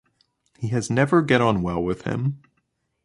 He has never get on well with him.